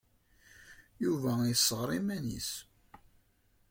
Yuba yessɣer iman-nnes.